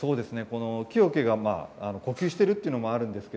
木おけが呼吸しているというのがあるんですね。